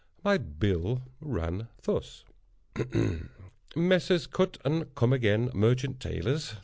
My bill ran thus: _Messrs. Cut & Comeagain, Merchant Tailors.